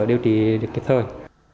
điều trị kịp thời